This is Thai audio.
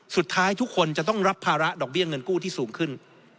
สุดท้ายทุกคนจะต้องรับภาระดอกเบี้ยเงินกู้ที่สูงขึ้น